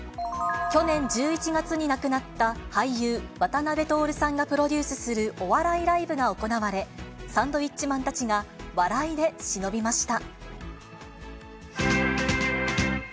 去年１１月に亡くなった俳優、渡辺徹さんがプロデュースするお笑いライブが行われ、サンドウィッチマンたちが笑いでしのびました。